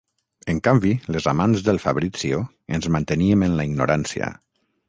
En canvi, les amants del Fabrizio ens manteníem en la ignorància.